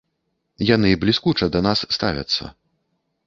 Яны бліскуча да нас ставяцца.